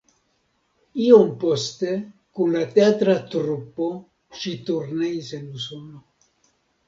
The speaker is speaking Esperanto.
Iom poste kun la teatra trupo ŝi turneis en Usono.